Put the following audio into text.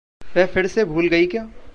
वह फिर से भूल गई क्या?